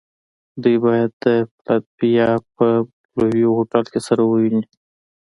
دوی باید د فلادلفیا په بلوویو هوټل کې سره و ګوري